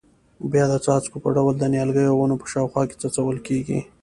بیا د څاڅکو په ډول د نیالګیو او ونو په شاوخوا کې څڅول کېږي.